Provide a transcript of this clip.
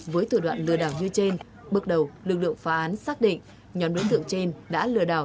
với thủ đoạn lừa đảo như trên bước đầu lực lượng phá án xác định nhóm đối tượng trên đã lừa đảo